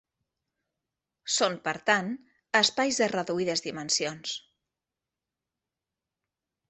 Són per tant espais de reduïdes dimensions.